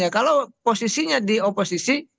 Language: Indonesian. kalau posisinya di oposisi